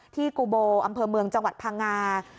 กูโบอำเภอเมืองจังหวัดพังงา